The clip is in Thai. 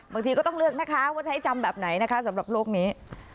บางทีก็ต้องเลือกนะคะว่าใช้จำแบบไหนนะคะสำหรับโลกนี้